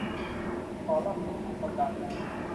คอลัมนิสต์คนดัง